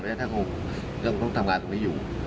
เรื่องที่ต้องทำงานตรงนี้อยู่